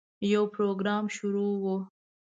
یو پروګرام شروع و.